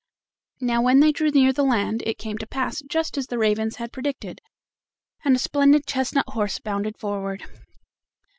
Now when they drew near the land it came to pass just as the ravens had predicted, and a splendid chestnut horse bounded forward.